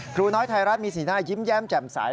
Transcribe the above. ครูน้อยไทยรัฐมีสีหน้ายิ้มแย้มแจ่มใส